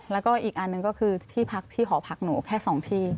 แล้วก็อีกอันนึงก็คือที่หอพักหนูแค่สองที่